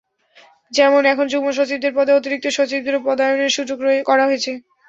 যেমন এখন যুগ্ম সচিবদের পদে অতিরিক্ত সচিবদেরও পদায়নের সুযোগ করা হয়েছে।